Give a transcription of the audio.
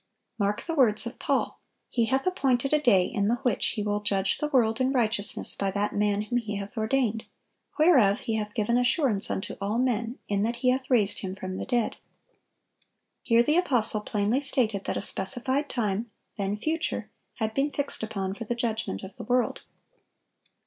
Mark the words of Paul: "He hath appointed a day, in the which He will judge the world in righteousness by that Man whom He hath ordained; whereof He hath given assurance unto all men, in that He hath raised Him from the dead."(972) Here the apostle plainly stated that a specified time, then future, had been fixed upon for the judgment of the world.